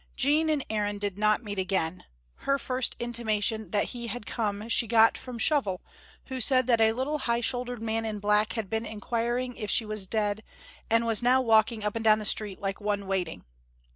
Jean and Aaron did not meet again. Her first intimation that he had come she got from Shovel, who said that a little high shouldered man in black had been inquiring if she was dead, and was now walking up and down the street, like one waiting.